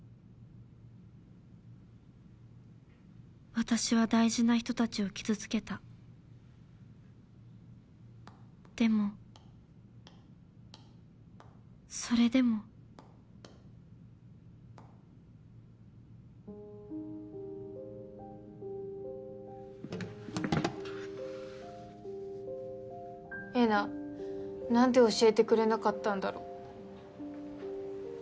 私は大事な人たちを傷つけたでもそれでもえな何で教えてくれなかったんだろう。